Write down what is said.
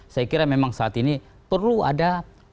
saya kira memang saat ini perlu ada